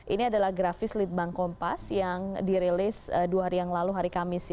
ini adalah grafis litbang kompas yang dirilis dua hari yang lalu hari kamis